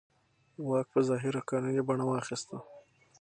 واک په ظاهره قانوني بڼه واخیسته.